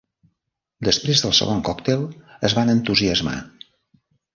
Després del segon còctel es van entusiasmar.